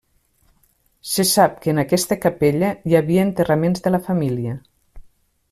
Se sap que en aquesta capella hi havia enterraments de la família.